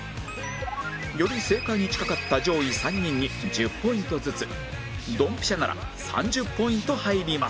より正解に近かった上位３人に１０ポイントずつドンピシャなら３０ポイント入ります